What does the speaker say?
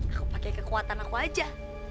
aku pakai kekuatan aku aja